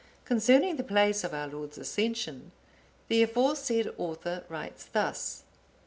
Concerning the place of our Lord's Ascension, the aforesaid author writes thus.